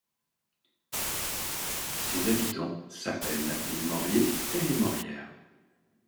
Ses habitants s'appellent les Morriers et les Morrières.